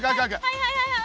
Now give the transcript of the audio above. はいはいはいはい。